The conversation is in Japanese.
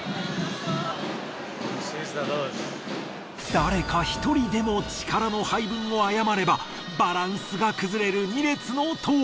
誰か１人でも力の配分を誤ればバランスが崩れる２列の塔。